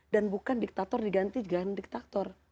dan bukan diktator diganti dengan diktator